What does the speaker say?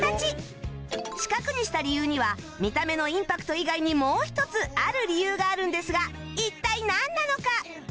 四角にした理由には見た目のインパクト以外にもう一つある理由があるんですが一体なんなのか？